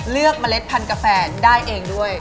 เมล็ดพันธกาแฟได้เองด้วย